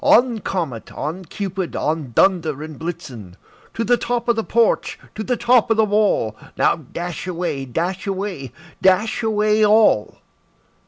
On! Comet, on! Cupid, on! Dunder and Blitzen To the top of the porch, to the top of the wall! Now, dash away, dash away, dash away all!"